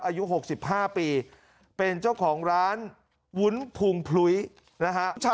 อายุ๖๕ปีเป็นเจ้าของร้านวุ้นพุงพลุ้ยนะฮะ